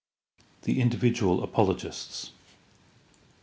The individual apologists.